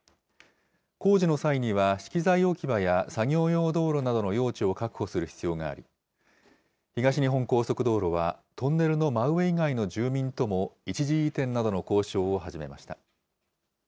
工事の際には、資機材置き場や作業用道路などの用地を確保する必要があり、東日本高速道路は、トンネルの真上以外の住民とも一時移転などの交渉を始めました。